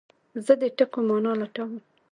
زه د ټکو مانا لټوم.